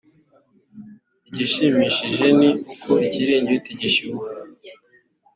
igishimishije ni uko ikiringiti gishyuha.